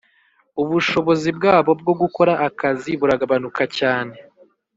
ubushobozi bwabo bwo gukora akazi buragabanuka cyane,